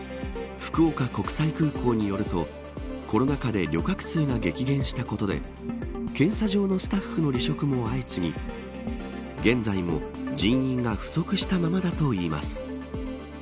福岡国際空港によるとコロナ禍で旅客数が激減したことで検査場のスタッフの離職も相次ぎ現在も人員が不足したままだといいます。